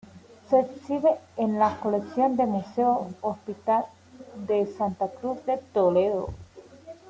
Se exhibe en la colección del Museo-Hospital de Santa Cruz de Toledo.